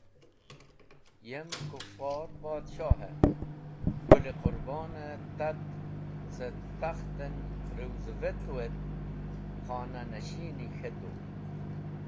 Yem kũfor podhsho e Gũl-e Qũrbon-e tati cẽ takht en rẽwz’vetu et khona ashin k̃hetu.